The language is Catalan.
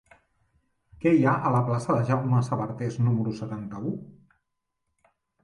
Què hi ha a la plaça de Jaume Sabartés número setanta-u?